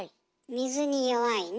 水に弱いね。